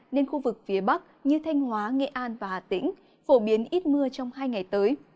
nên khu vực phía bắc như thanh hóa nghệ an và hà tĩnh phổ biến ít mưa trong hai ngày tới